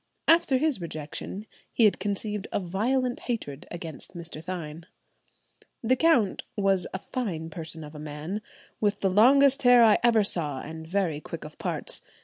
After his rejection he had conceived a violent hatred against Mr. Thynne. The count was "a fine person of a man, with the longest hair I ever saw, and very quick of parts.